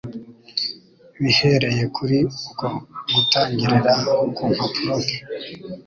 Bihereye kuri uko gutangirira ku mpapuro nke,